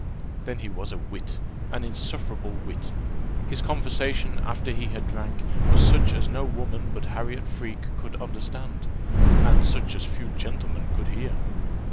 Then he was a wit an insufferable wit. His conversation after he had drank was such as no woman but Harriot Freke could understand, and such as few gentlemen could hear.